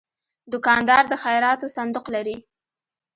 دوکاندار د خیراتو صندوق لري.